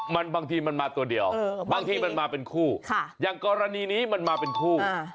บางทีมันมาตัวเดียวบางทีมันมาเป็นคู่อย่างกรณีนี้มันมาเป็นคู่